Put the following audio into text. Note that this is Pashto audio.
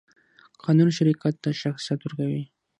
قانون شرکت ته شخصیت ورکوي.